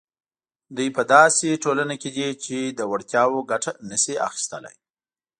دوی په داسې ټولنه کې دي چې له وړتیاوو ګټه نه شي اخیستلای.